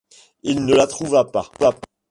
Il ne la trouva pas.